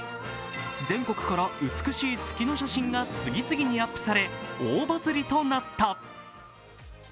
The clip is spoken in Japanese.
全国から美しい月の写真が次々にアップされ、大バズりとなった。